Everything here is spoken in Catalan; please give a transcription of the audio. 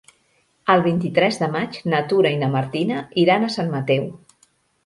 El vint-i-tres de maig na Tura i na Martina iran a Sant Mateu.